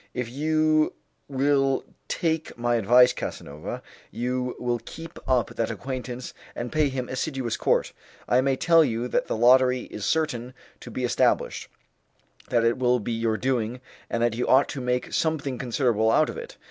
If you will take my advice, Casanova, you will keep up that acquaintance and pay him assiduous court. I may tell you that the lottery is certain to be established, that it will be your doing, and that you ought to make something considerable out of it.